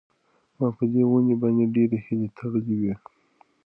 ما په دې ونې باندې ډېرې هیلې تړلې وې.